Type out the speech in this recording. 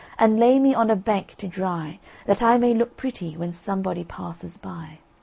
And lay me on a bank to dry, That I may look pretty, When somebody passes by."